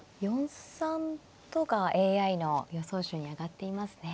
４三とがＡＩの予想手に挙がっていますね。